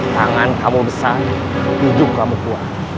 kasih dia pelajaran matematika